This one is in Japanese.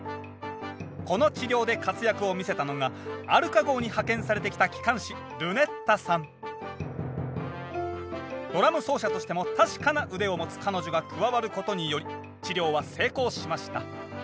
この治療で活躍を見せたのがアルカ号に派遣されてきたドラム奏者としても確かな腕を持つ彼女が加わることにより治療は成功しました。